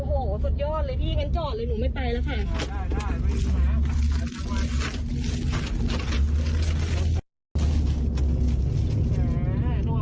โอ้โหสุดยอดเลยพี่งั้นจอดเลยหนูไม่ไปแล้วค่ะ